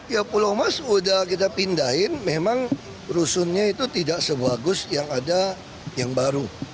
ya pulau mas udah kita pindahin memang rusunnya itu tidak sebagus yang ada yang baru